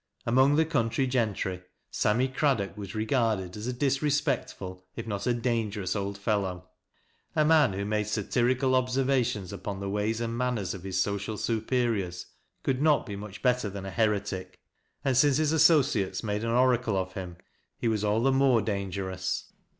Among the country gentry, Sammj Craddock was regarded as a disrespectful, if not a danger ous, old fellow. A man who made satirical observations upon the ways and manners of his social superiore, could not be much better than a heretic. And since his associ ates made an oracle of him, he was all the more danger ous.